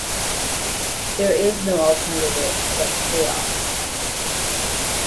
There is no alternative but chaos...